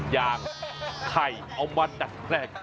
อย่างไข่เอามาดัดแปลง